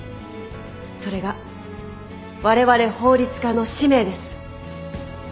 それがわれわれ法律家の使命です。